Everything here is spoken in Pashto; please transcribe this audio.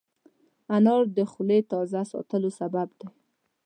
انار د خولې تازه ساتلو سبب دی.